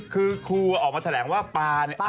คือครูออกมาแถลงว่าปลาเนี่ย